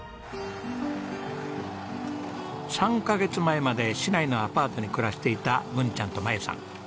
３カ月前まで市内のアパートに暮らしていた文ちゃんとまゆさん。